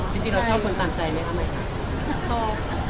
พี่จิชชอบคนตามใจเนี้ยก่อนหน่อยคะ